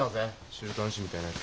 週刊誌みたいなやつ。